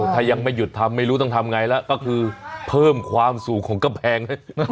ถ้ายังไม่หยุดทำไม่รู้ต้องทำไงแล้วก็คือเพิ่มความสูงของกำแพงให้